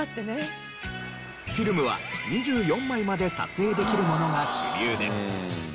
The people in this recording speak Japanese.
フィルムは２４枚まで撮影できるものが主流で。